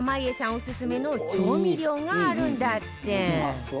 オススメの調味料があるんだって